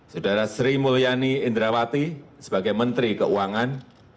saudara sri mulyani indrawati sebagai menteri keuangan